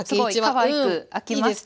すごいかわいく開きましたね。